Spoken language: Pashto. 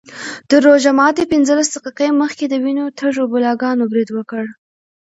تر روژه ماتي پینځلس دقیقې مخکې د وینو تږو بلاګانو برید وکړ.